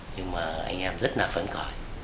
nhưng mà anh em rất là phân khỏi